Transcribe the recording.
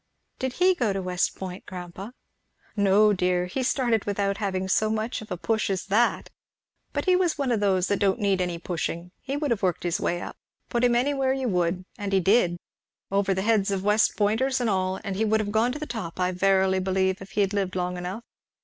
"Did he go to West Point, grandpa?" "No dear! he started without having so much of a push as that; but he was one of those that don't need any pushing; he would have worked his way up, put him anywhere you would, and he did, over the heads of West Pointers and all, and would have gone to the top, I verily believe, if he had lived long enough.